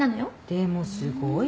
でもすごいわ。